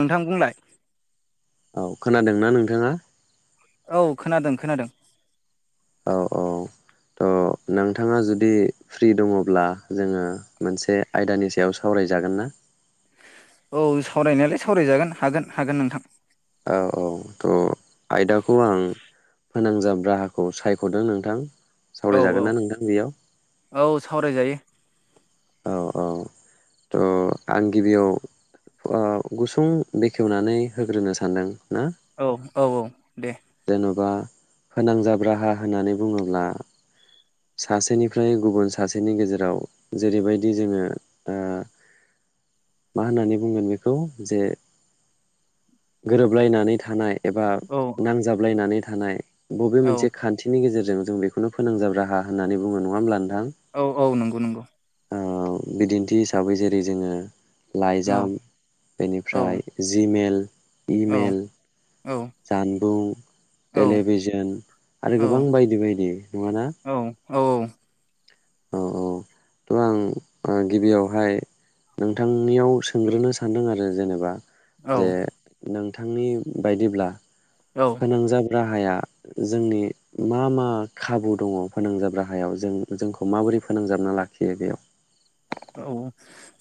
नोंथां बुंलाय औ खोनादोंना नोंथाङा औ खोनादों खोनादों औ औ थ' नोंथाङा जुदि फ्रि दङब्ला जोङो मोनसे आयदानि सायाव सावराय जागोन ना? औ सावराय नायालाय सावरायजागोन हागोन, हागोन नोंथां। औ औ थ' आयदाखौ आं फोनांजाब राहाखौ सायख'दों नोंथां। औ सावरायजागोन औ ना नोंथां बेयाव औ सावराय जायो औ औ थ' आं गिबियाव ओ गुसुं बेखेवनानै होग्रोनो सानदों। ना औ औ औ दे जेन'बा फोनांजाब राहा होननानै बुङोब्ला सासेनिफ्राय गुबुन सासेनि गेजेराव जेरैबायदि जोङो ओ मा होननानै बुंगोन बेखौ जे गोरोबलायनानै थानाय एबा औ नांजाब लायनानै थानाय बबे औ मोनसे खान्थिनि गेजेर जों, जों बेखौनो फोनांजाब राहा होननानै बुङो नङा होमब्ला नों औ औ नंगौ नंगौ ओ बिदिन्थि हिसाबै जेरै जोङो औ लाइजाम औ बेनिफ्राय जि मेल औ इमेल औ जानबुं, औ टेलिभिजन आरो गोबां बायदि बायदि नङा ना? औ औ औ थ' आं गिबियावहाय नोंथांनियाव सोंग्रोनो सानदों आरो जेनेबा औ जे नों थांनि बायदिब्ला औ फोनांजाब राहाया जोंनि मा मा खाबु दङ फोनांजाब राहायाव जों जोंखौ माबोरै फोनांजाबना लाखियो बेयाव? औ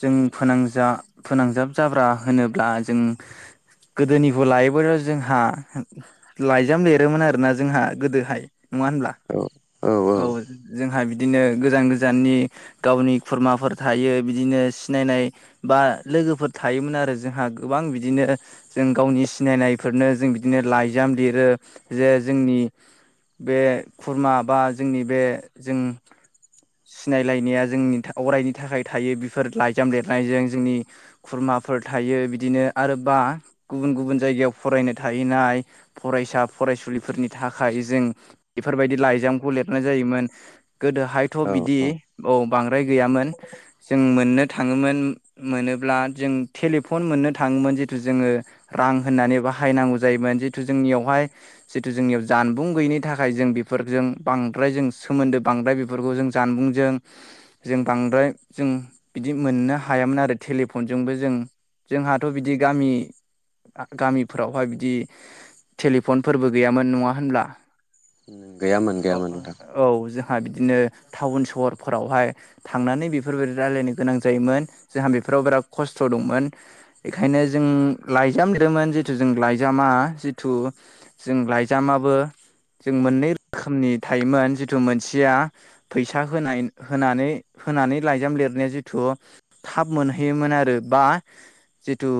जों फोनांजा-फोनांजाब जाब्रा होनोब्ला जों गोदोनिखौ लायोब्ला जोंहा लाइजाम लिरोमोन आरोना जोंहा गोदोहाय नङा होनब्ला? औ जोंहा बि दिनो गोजान-गोजाननि गावनि खुरमाफोर थायो बिदिनो सिनायनाय बा लोगोफोर थायोमोन आरो जोंहा गोबां बिदिनो जों गावनि सिनायनायफोरनो जों बिदिनो लाइजाम लिरो जे जोंनि बे खुरमा बा जोंनि बे जों सिनायलायनाया जोंनि अरायनि थाखाय थायो बेफोर लाइजाम लिरनायजों जोंनि खुरमाफोर थायो बिदिनो आरोबा गुबुन गुबुन जायगायाव फरायनो थाहैनाय फरायसा-फरायसुलिफोरनि थाखाय जों बेफोरबायदि लाइजामखौ लिरनाय जायोमोन। गोदोहाय थ' औ बिदि औ औ बांद्राय गैयामोन। जों मोननो थाङोमोन मोनोब्ला जों टेलिफन मोननो थाङोमोन जितु जोङो रां होननानै बाहायनांगौ जायोमोन जितु जोंनियावहाय जितु जोंनियाव जानबुं गैयिनि थाखाय जों बेफोरजों बांद्राय जों सोमोन्दो बांद्राय बे फोरखौ जों जानबुंजों जों बांद्राय जों बिदि मोननो हायामोन आरो टेलिफनजोंबो जों जोंहाथ' बिदि गामि-गामिफोरावहाय बिदि टेलिफनफोरबो गैयामोन नङा होनब्ला? गैयामोन गैयामोन नोंथां। [unintelligible] दिनो टाउन सहरफोरावहाय थांनानै बेफोरबायदि रायलायनो गोनां जायोमोन। जोंहा बेफोराव बिराद खस्थ' दंमोन बेखायनो जों लाइजाम लिरोमोन जिथु जों लाइजामा जिथु जों लाइजामाबो जों मोननै रोखोमनि थायोमोन जिथु मोनसेया फैसा होनाय होनानै होनानै लाइजाम लिरनाया जिथु थाब मोनहैयोमोन आरो बा जिथु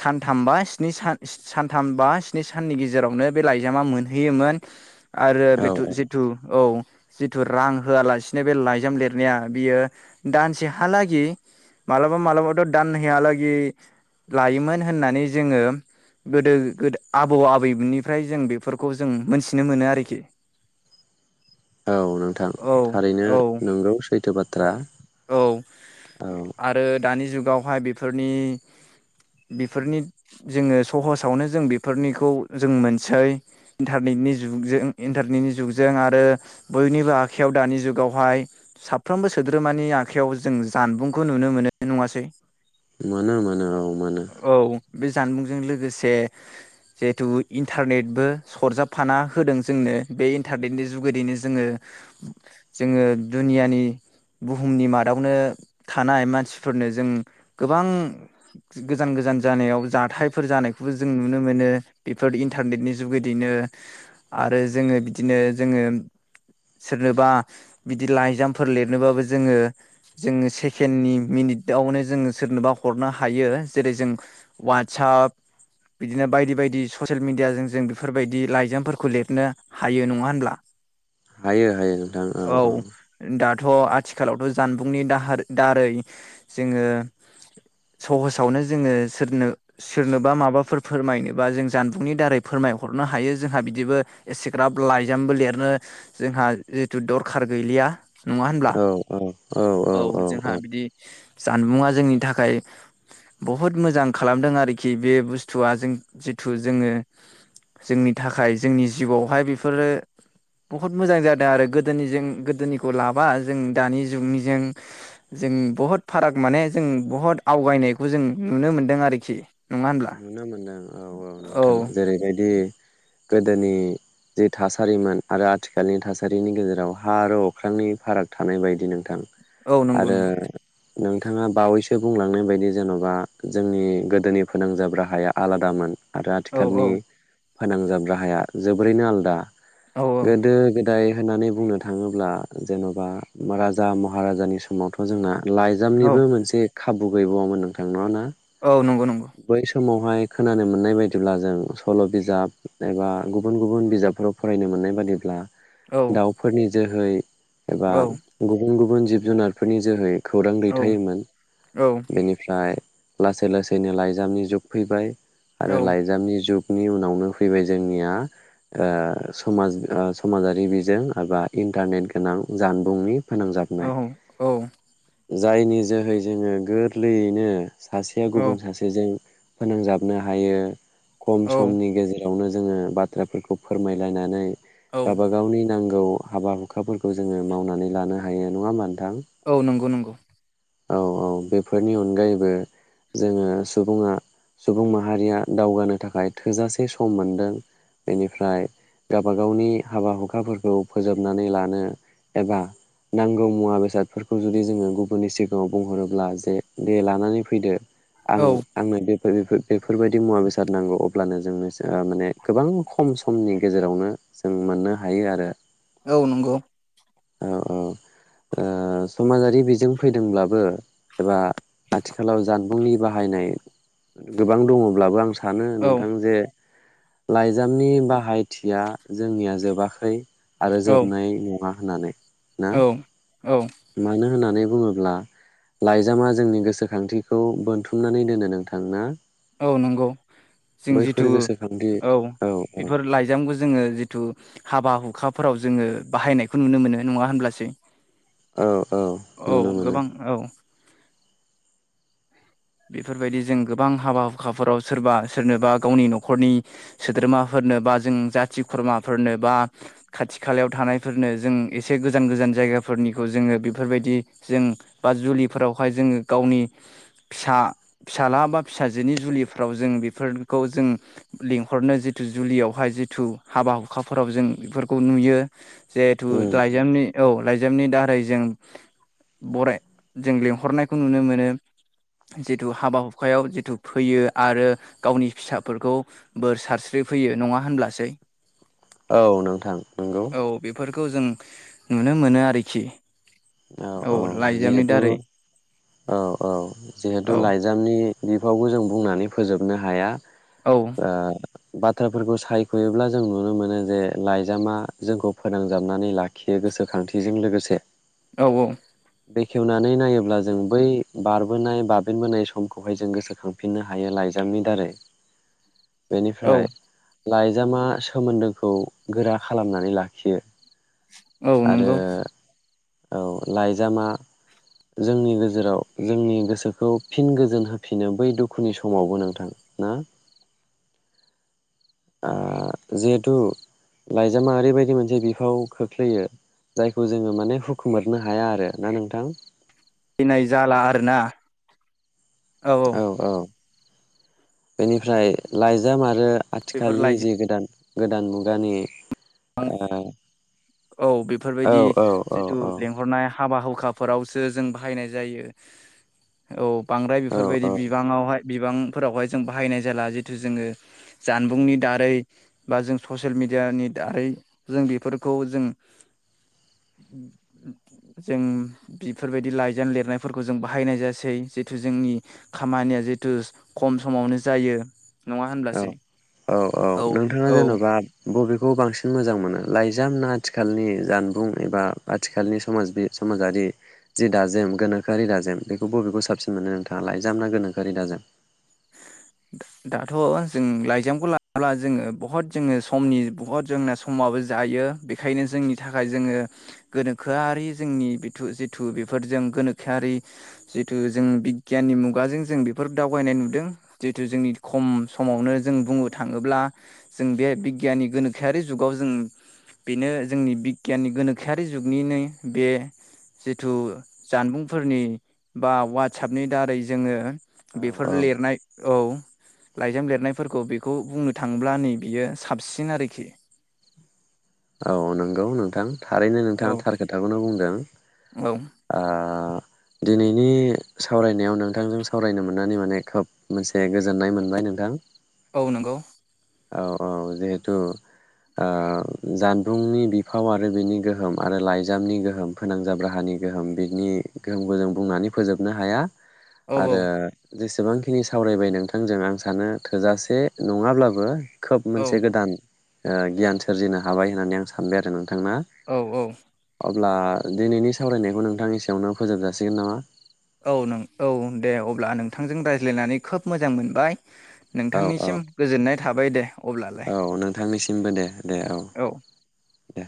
सानथाम बा स्नि सान सानथाम बा स्नि साननि गेजेरावनो बे लाइजामा मोनहैयोमोन आरो औ बेथ' औ जिथु औ जिथु रां होआलासिनो बे लाइजाम लिरनाया बियो दानसेहालागै मालाबा मालाबाथ' दान हैयालागै लायोमोन होननानै जोङो गोदो गो आबौ आबैनिफ्राय जों बेफोरखौ जों मोनथिनो मोनो आरोखि। औ नोंथां औ थारैनो औ नोंगौ सैथो बाथ औ आरो दानि जुगावहाय बिफोरनि बिफोरनि जोङो सहसआवनो जों बिफोरनिखौ जों मोनसै इन्टारनेटनि जुगजों इन्टारनेटनि जुगजों आरो बयनिबो आखायाव दानि जुगावहाय सा फ्रोमबो सोद्रोमानि आखाइयाव जों जानबुंखौ नुनो मोनो नङासै? मोनो मोनो औ मोनो। औ बे जानबुंजों लोगोसे जेहेथु इन्टारनेटबो सरजाबफाना होदों जोंनो बे इन्टारनेटनि जुगुदैनो जोङो जोङो दुनियानि बुहुमनि मादावनो थानाय मानसिफोरनो जों गोबां गोजान गोजान जानायाव जाथायफोर जानायखौबो जों नुनो मोनो बिफोर इन्टारनेटनि जुगिदिनो आरो जोङो बिदिनो जोङो सोरनोबा बिदि लाइजाम फोर लिरनोबाबो जोङो जोङो सेकेण्डनि मिनिटआवनो जोङो सोरनोबा हरनो हायो जेरै जों वाट्सप बिदिनो बायदि बायदि ससियेल मिडियाजों जों बेफोरबायदि लाइजामफोरखौ लिरनो हायो नङा होनब्ला? हायो हायो नोंथां औ औ। दाथ' आथिखालावथ' जानबुंनि दाहार दारै जोङो सहसआवनो जोङो सोरनो सोरनोबा माबाफोर फोरमायनोबा जों जानबुंनि दारै फोरमायहरनो हायो जोंहा बिदिबो एसेग्राब लाइजामबो लिरनो जोंहा जिथु दरखार गैलिया। नङा होनब्ला औ औ औ औ औ औ। जानबुंआ जोंनि थाखाय बहुद मोजां खालामदों आरोखि बे बुस्थुआ जों जिथु जोङो जोंनि थाखाय जोंनि जिउआवहाय बिफोरो बहुद मोजां जादों आरो गोदोनि जों गोदोनि खौ लाबा जों दानि जुगनिजों जों बहत फाराग माने जों बहत आवगायनायखौ जों नुनो मोन्दों आरोखि नङा होनब्ला? नुनो मोनदों औ औ नोंथां जेरैबायदि गोदोनि जि थासारिमोन आरो आथिखालनि थासारिनि गेजेराव हा आरो अख्रांनि फाराग थानाय बायदि नोंथां। औ नंगौ आरो नंगौ। नोंथाङा बावैसो बुंलांनाय बायदि जेन'बा जोंनि गोदोनि फोनांजाब राहाया आलादामोन। आरो औ आथिखालनि फोनांजाब राहाया जोबोरैनो आलदा। औ गोदो गोद दाय होननानै बुंनो थाङोब्ला जेन'बा राजा महाराजानि समावथ' जोंना लाइजामनिबो मोनसे खाबु गैबावामोन नोंथां नङा ना? औ नंगौ नंगौ। बै समावहाय खोनानो मोननाय बाय दिब्ला जों सल' बिजाब एबा गुबुन गुबुन बिजाबफोराव फरायनो मोननाय बादिब्ला औ दाउफोरनि जोहै एबा औ गुबुन गु बुन जिब जुनारफोरनि जोहै खौरां औ दैथायोमोन। औ बेनिफ्राय लासै लासैनो लाइजामनि जुग फैबाय। औ आरो लाइ नि जुगनि उनावनो फैबाय जोंनिया ओ समाज समाजारि बिजों एबा इन्टारनेट गोनां जानबुंनि फोनांजाबनाय‌। जायनि जोहै जोङो गोरलैयैनो सासेया गुबुन सासेजों फोनांजाबनो हायो खम औ समनि गेजे रावनो जोङो बाथ्राफोरखौ फोरमायलायनानै औ गावबा गावनि नां गौ हाबा हुखाफोरखौ जोङो मावनानै लानो हायो। नङा होनबा नों औ नंगौ नंगौ। औ औ बेफोरनि अनगायैबो जोङो सुबुङा सुबुं माहारिया दावगानो थाखाय थोजासे सम मोनदों। बेनिफ्राय गबा गावनि हाबा हुखाफोरखौ फोजोबनानै लानो एबा नांगौ मुवा बेसादफोरखौ जुदि जोङो गुबुननि सिगाङाव बुंहरोब्ला जे दे लानानै फैदो आं औ आंनो बे फोर बेफोर बेफोरबायदि मुवा बेसा द रनांगौ अब्लानो जोंनो माने गोबां खम समनि गेजेरावनो जों मोननो हायो आरो। औ नंगौ। औ औ। ओ समाजारि बिजों फैदोंब्लाबो एबा आथिखालाव जानबुंनि बाहायनाय गोबां दङब्लाबो आं सानो औ नोंथां जे लाइजामनि बाहायथिया जोंनिया जोबाखै आरो औ जोबनाय नङा होननानै ना। औ औ मानो होननानै बुङोब्ला लाइजामा जोंनि गोसोखांथिखौ बोनथुमनानै दोनो नोंथां ना। औ नंगौ। जों बैफोर जिथु गोसोखांथि औ बेफोर लाइजामखौ जोङो जिथु हाबा हु खाफोराव जोङो बाहायनायखौ नुनो मोनो। नङा होनब्लासै। औ। औ नुनो मोनो गोबां औ। बेफोरबायदि जों गोबां हाबा हुखाफोराव सोरबा सोरनोबा गावनि न'खरनि सोद्रोमाफोरनो बा जों जाथि खुरमाफोरनो बा खाथि खालायाव थानायफोरनो जों एसे गोजान गोजान जायगाफोरनिखौ जोङो बेफोरबायदि जों बा जुलिफोरावहाय जोङो गावनि फिसा फिसाला बा फिसाजोनि जुलिफ्राव जों बेफोरखौ जों लिंहरनो जिथु जुलियावहाय जिथु हाबा हुखाफोराव जों बेफोरखौ नुयो। जिहेथु उम उम लाइजामनि औ लाइजा जामनि दारै जों बराय जों लिंहरनायखौ नुनो मोनो। जों जिथु हाबा हुखायाव जिथु फैयो आरो गावनि फिसाफोरखौ बोर सारस्रि फैयो नङा होनब्लासै? औ नोंथां। नंगौ औ बेफोर खौ जों नुनो मोनो आरोखि। औ औ लाइजामनि जिहेतु दारै औ औ औ जिहेतु लाइजामनि बिफावखौ जों बुंनानै फोजोबनो हाया। औ ओ बाथ्राफोरखौ सायख'योब्ला जों नुनो मोनो जे लाइजामा जोंखौ फोनांजाबनानै लाखियो गोसोखांथिजों लोगोसे। औ औ। बेखेवनानै नायोब्ला जों बै बारबोनाय बाबेनबोनाय समखौहाय जों गोसोखांफिननो हायो लाइजामनि दारै। औ बेनिफ्राय लाइजामा सोमोन्दोखौ गोरा खालामनानै लाखियो। औ आरो नंगौ। औ लाइजामा जोंनि नोजोराव जोंनि गोसोखौ फिन गोजोन होफिनो बै दुखुनि समावबो नोंथां ना? ओ जिहेथु लाइजामा ओरैबायदि मोनसे बिफाव खोख्लैयो जायखौ जोङो माने हुख खोमोरनो हाया आरो ना नोंथां? फैनाय जाला आरोना। औ औ। बेनिफ्राय लाइजाम आरो बेफोर आथिखालनि लाइजि जे गोदान गोदान मुगानि ओ औ औ बेफोरबायदि औ औ जिथु औ लेंहरनाय हाबा हुखा फोरावसो जों बाहायनाय जायो, औ। बांद्राय बेफोरबायदि बिबाङावहाय बिबांफोरावहाय जों बाहायनाय जाला जिथु जोङो जानबुंनि दारै बा जों ससियेल मेडियानि दारै जों बेफोर खौ जों जों बेफोरबायदि लाइजाम लिरनायफोरखौ जों बाहायनाय जासै जितु जोंनि खामानिया जितु खम समावनो जायो। नङा औ होनब्लासै औ औ नोंथाङा औ जेनबा बबेखौ बांसिन मोजां मोनो लाइजाम ना आथिखालनि जानबुं एबा आथिखालनि समाज समाजारि जि दाजेम गोनोखोआरि दाजेम बेखौ बबेखौ साबसिन मोनो नोंथाङा लाइजाम ना गोनोखोआरि दाजेम? दाथ' जों लाइजामखौ लाला जोङो बहुत जोङो समनि बहुत जोंना समाबो जायो। बेखायनो जोंनि थाखाय जोङो गोनोखोआरि जोंनि बिथु जिथु बेफोरजों गोनोखोआरि जिथु जों बिगियाननि मुगाजों जों बेफोर दावबायनाय दों जिथु जोंनि खम समावनो जों बुंनो थाङोब्ला जों बे बिगियाननि गोनोखोआरि जुगाव जों बेनो जोंनि बिगियाननि गोनोखोयारि जुगनिनो बे जिथु जानबुंफोरनि बा वाट्सापनि दारै जोङो बेफोर औ औ लिर औ लाइजाम लिरनायफोरखौ बेखौ बुंनो थाङोब्ला नै बियो साबसिन आरोखि। औ नंगौ नोंथां थारैनो औ नोंथाङा थार खोथाखौनो बुंदों औ आ दिनैनि सावरायनायाव नोंथांजों सावरायनो मोननानै माने खोब मोनसे गोजोननाय मोनबाय नोंथां औ नंगौ औ औ जिहेथु ओ जानबुंनि बिफाव आरो बिनि गोहोम आरो लाइजामनि गोहोम फोनांजाब राहानि गोहोम बिनि गोहोमखौ जों बुंनानै फोजोबनो हाया औ आरो जेसे गोबांखिनि सावरायबाय नोंथांजों आं सानो थोजासे नङाब्लाबो [unintelligible] खोब औ मोनसे गोदान ओ गियान सोरजिनो हाबाय होननानै आं सानबाय आरो नों औ औ अब्ला दिनैनि सावरायनायखौ नोंथांनि एसेयावनो फोजोब जासिगोन नामा औ नों औ दे अब्ला नोंथांजों रायज्लायनानै खोब मोजां मोनबाय औ औ नोंथांनिसिम गोजोननाय थाबाय दे अब्लालाय औ नोंथांनिसिमबो दे दे औ दे